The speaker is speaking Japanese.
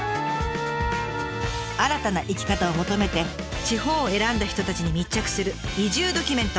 新たな生き方を求めて地方を選んだ人たちに密着する移住ドキュメント。